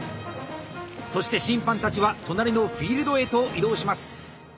そして審判たちは隣のフィールドへと移動します。